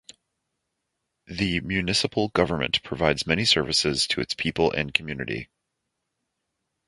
The municipal government provides many services to its people and community.